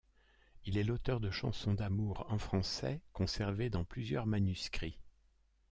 Il est l’auteur de chansons d’amour en français, conservées dans plusieurs manuscrits.